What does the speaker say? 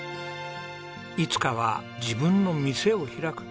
いつかは自分の店を開く。